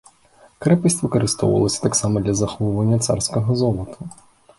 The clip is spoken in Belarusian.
Крэпасць выкарыстоўвалася таксама для захоўвання царскага золата.